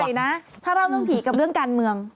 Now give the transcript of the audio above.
นะถ้าเล่าเรื่องผีกับเรื่องการเมือง